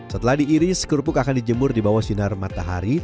setelah diiris kerupuk akan dijemur di bawah sinar matahari